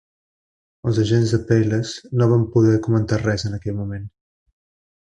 Els agents de PayLess no van poder comentar res en aquell moment.